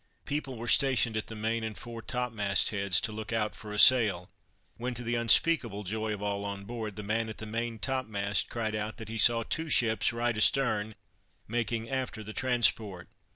People were stationed at the main and fore topmast heads to look out for a sail, when to the unspeakable joy of all on board, the man at the main topmast cried out that he saw two ships right astern making after the transport.